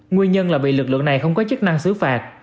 nguyên nhân là vì lực lượng này không có chức năng xử phạt